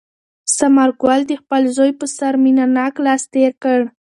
ثمر ګل د خپل زوی په سر مینه ناک لاس تېر کړ.